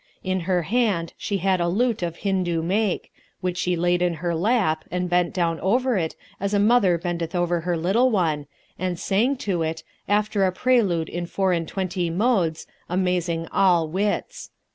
In her hand she had a lute of Hindu make, which she laid in her lap and bent down over it as a mother bendeth over her little one, and sang to it, after a prelude in four and twenty modes, amazing all wits.